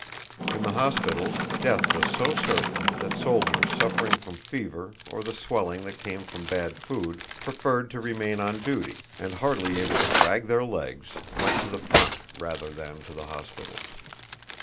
In the hospitals, death was so certain that soldiers suffering from fever, or the swelling that came from bad food, preferred to remain on duty, and hardly able to drag their legs went to the front rather than to the hospitals.